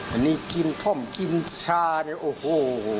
อันนี้กินท่อมกินชาโอ้โฮ